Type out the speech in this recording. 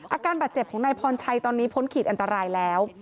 อาการบาดเจ็บของนายพรชัยตอนนี้พ้นขีดอันตรายแล้ว